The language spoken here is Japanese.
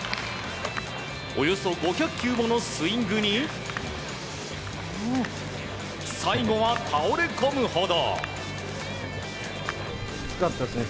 およそ５００球ものスイングに最後は、倒れ込むほど。